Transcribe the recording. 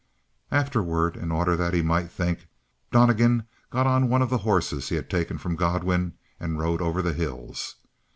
Afterward, in order that he might think, Donnegan got on one of the horses he had taken from Godwin and rode over the hills.